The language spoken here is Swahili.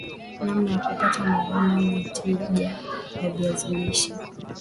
namna ya kupata mavuno yenye tija ya viazi lishe